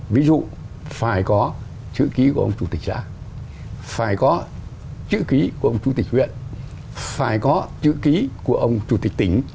ví dụ phải có chữ ký của ông chủ tịch xã phải có chữ ký của ông chủ tịch huyện phải có chữ ký của ông chủ tịch tỉnh